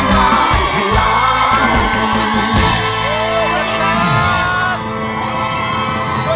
ก็มีสิทธิ์ลุ้นนะครับ